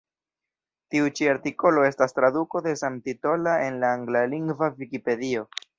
Tiu ĉi artikolo estas traduko de samtitola el la anglalingva Vikipedio.